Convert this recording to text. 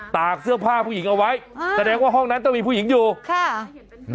ตากเสื้อผ้าผู้หญิงเอาไว้แสดงว่าห้องนั้นต้องมีผู้หญิงอยู่ค่ะ